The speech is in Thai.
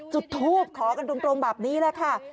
จุดทูบขอกันตรงแบบนี้แหละค่ะ